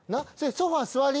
ソファ座り。